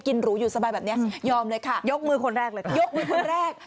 หรูอยู่สบายแบบเนี้ยยอมเลยค่ะยกมือคนแรกเลยยกมือคนแรก